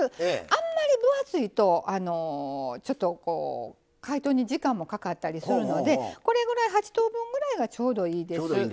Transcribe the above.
あんまり分厚いとちょっとこう解凍に時間もかかったりするので８等分ぐらいがちょうどいいです。